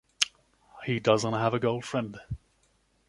He doesn’t have a girlfriend.